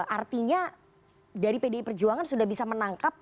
artinya dari pdi perjuangan sudah bisa menangkap